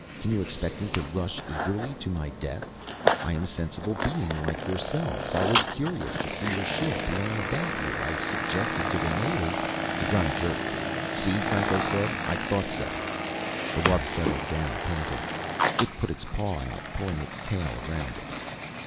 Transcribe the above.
Can you expect me to rush eagerly to my death? I am a sensible being like yourselves. I was curious to see your ship, learn about you. I suggested to the native " The gun jerked. "See," Franco said. "I thought so." The wub settled down, panting. It put its paw out, pulling its tail around it.